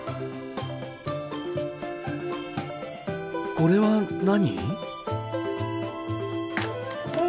これは何？